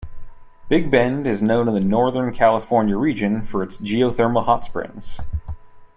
Big Bend is known in the Northern California region for its geothermal hot springs.